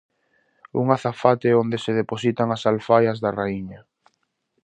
Un azafate onde se depositan as alfaias da raíña.